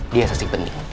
dia sasih pening